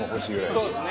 そうですね。